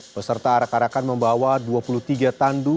peserta arak arakan membawa dua puluh tiga tandu